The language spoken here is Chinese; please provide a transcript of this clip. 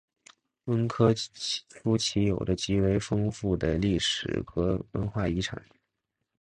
温科夫齐有着极为丰富的历史与文化遗产。